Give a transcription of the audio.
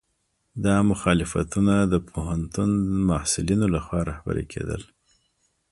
دا مخالفتونه د پوهنتون محصلینو لخوا رهبري کېدل.